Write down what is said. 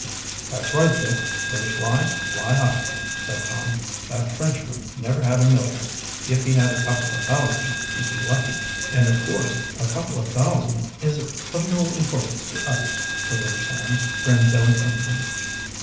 "That's right, Dick; when you fly, fly high," said Tom. "That Frenchman never had a million. If he had a couple of thousand he'd be lucky." "And of course, a couple of thousand is of no importance to us," put in Sam grandiloquently.